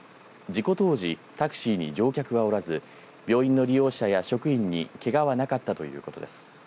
事故当時タクシーに乗客はおらず病院の利用者や職員にけがはなかったということです。